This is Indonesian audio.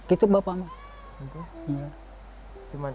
itu saja yang saya inginkan